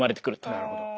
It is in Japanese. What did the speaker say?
なるほど。